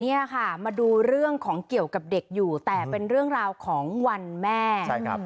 มาดูเรื่องของเกี่ยวกับเด็กอยู่แต่เป็นเรื่องราวของวันแม่